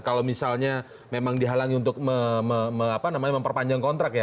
kalau misalnya memang dihalangi untuk memperpanjang kontrak ya